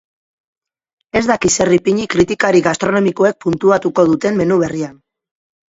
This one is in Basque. Ez daki zer ipini kritikari gastronomikoek puntuatuko duten menu berrian.